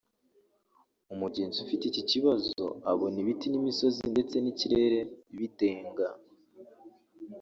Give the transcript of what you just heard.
umugenzi ufite iki kibazo abona ibiti n’imisozi ndetse n’ikirere bidenga